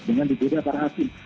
dengan dibeda para hakim